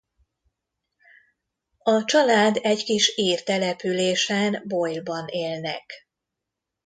A család egy kis ír településen Boyle-ban élnek.